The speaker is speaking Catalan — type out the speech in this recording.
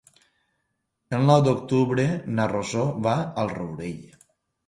El nou d'octubre na Rosó va al Rourell.